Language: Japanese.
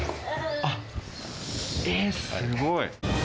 あっ、えっ、すごい。